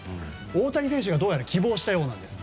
大谷選手がどうやら希望したようなんです。